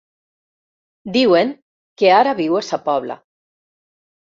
Diuen que ara viu a Sa Pobla.